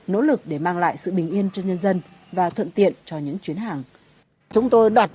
nỗ lực để mang lại sự bình yên cho nhân dân và thuận tiện cho những chuyến hàng